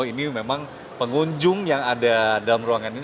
ini memang pengunjung yang ada dalam ruangan ini